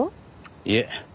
いえ。